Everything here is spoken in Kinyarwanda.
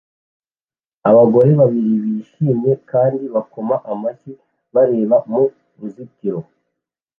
Abagore babiri bishimye kandi bakoma amashyi bareba mu ruzitiro